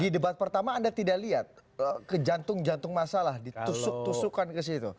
di debat pertama anda tidak lihat ke jantung jantung masalah ditusuk tusukan ke situ